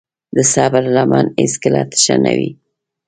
د صبر لمن هیڅکله تشه نه وي.